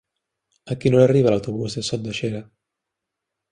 A quina hora arriba l'autobús de Sot de Xera?